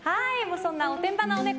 そんなおてんばなおネコ